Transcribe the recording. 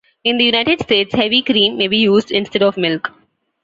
In the United States heavy cream may be used instead of milk.